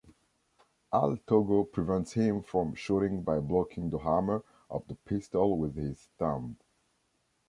Al'Togo prevents him from shooting by blocking the hammer of the pistol with his thumb.